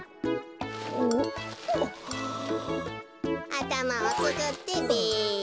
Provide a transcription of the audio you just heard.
あたまをつくってべ。